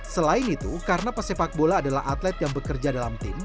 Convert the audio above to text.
selain itu karena pesepak bola adalah atlet yang bekerja dalam tim